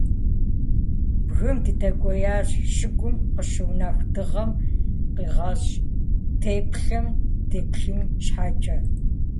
Бгым дыдэкӏуеящ, щыгум къыщыунэху дыгъэм къигъэщӏ теплъэм деплъын щхьэкӏэ.